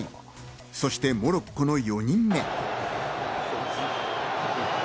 そしてモロッコの４人目。